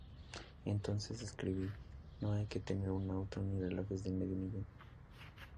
Entonces escribí: 'No hay que tener un auto, ni relojes de medio millón'".